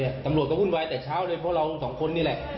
ตำรวจก็วุ่นวายแต่เช้าเลยเพราะเราสองคนนี่แหละ